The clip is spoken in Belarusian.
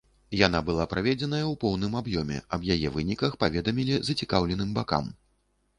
Яна была праведзеная ў поўным аб'ёме, аб яе выніках паведамілі зацікаўленым бакам.